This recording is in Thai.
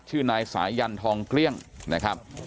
ชื่อนายสายันทองเกลี้ยงนะครับ